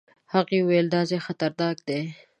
هغه وويل دا ځای خطرناک دی.